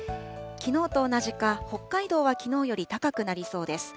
きのうと同じか北海道はきのうより高くなりそうです。